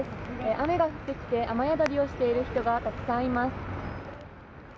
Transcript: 雨が降ってきて雨宿りをしている人がたくさんいます。